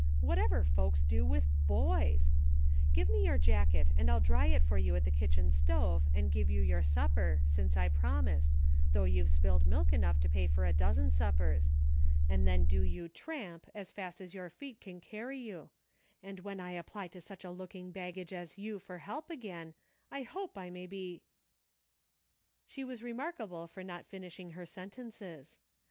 Whatever folks do with boys !— Give me your jacket, and I'll dry it for you at the kitchen stove, and give you your supper, since I promised, though you've spilled milk enough to pay for a dozen suppers ; and then do you tramp, as fast as your feet can carry you ; and when I apply to such a looking baggage as you for help again, I hope I may be" — She was remarkable for not finishing her sen tences.